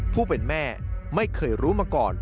ผู้เป็นแม่ไม่เคยรู้มาก่อน